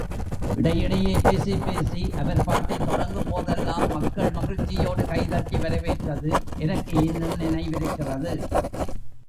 இடையிடையே பேசிப் பேசி, அவர் பாட்டைத் தொடங்கும்போதெல்லாம், மக்கள் மகிழ்ச்சியோடு கைதட்டி வரவேற்றது எனக்கு இன்னும் நினைவிருக்கிறது.